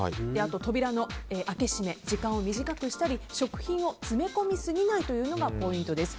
扉の開け閉め時間を短くしたり食品を詰め込みすぎないというのがポイントです。